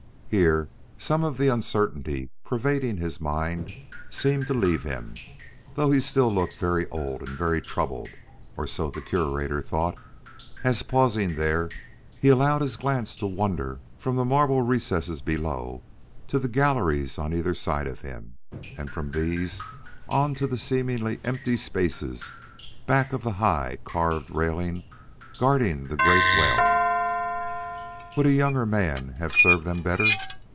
Here some of the uncertainty pervading his mind seemed to leave him, though he still looked very old and very troubled, or so the Curator thought, as pausing there, he allowed his glance to wander from the marble recesses below to the galleries on either side of him, and from these on to the seemingly empty spaces back of the high, carved railing guarding the great well. Would a younger man have served them better?